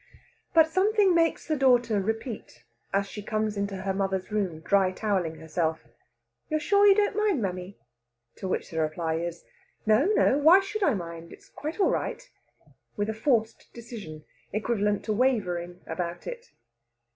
But something makes the daughter repeat, as she comes into her mother's room dry towelling herself, "You're sure you don't mind, mammy?" to which the reply is, "No, no! Why should I mind? It's all quite right," with a forced decision, equivalent to wavering, about it.